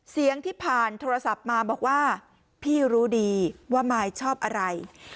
เสียงที่ผ่านโทรศัพท์มาบอกว่าพี่รู้ดีว่ามายชอบอะไร